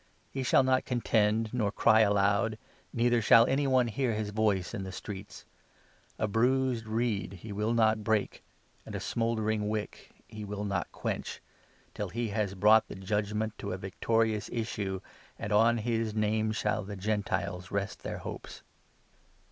He shall not contend, nor cry aloud, 19 Neither shall any one hear his voice in the streets ; A bruised reed he will not break, 20 And a smouldering1 wick he will not quench, Till he has brought the judgement to a victorious issue, And on his name shall the Gentiles rest their hopes.'